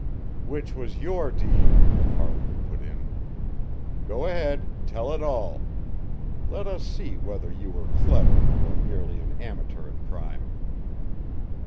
"Which was your deed!" Farland put in. "Go ahead tell it all. Let us see whether you were clever or merely an amateur at crime."